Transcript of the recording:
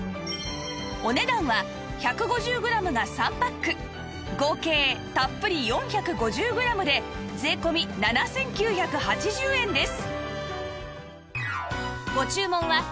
お値段は１５０グラムが３パック合計たっぷり４５０グラムで税込７９８０円です